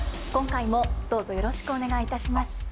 今回もどうぞよろしくお願いいたします。